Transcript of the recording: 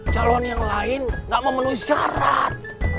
calon yang lain gak mau menuhi syarat